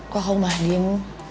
kau tahu mahdin